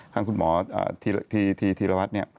ทางคุณหมอธีรวัตรเนี่ย